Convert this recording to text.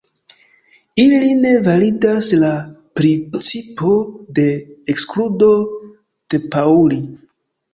Ili ne validas la principo de ekskludo de Pauli.